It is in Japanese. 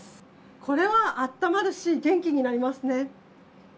これはあったまるし、元気になりますね。